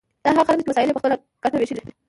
دا هغه خلک دي چې وسایل یې په خپله ګټه ویشلي.